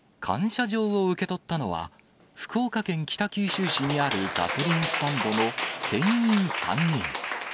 感謝状を受け取ったのは、福岡県北九州市にあるガソリンスタンドの店員３人。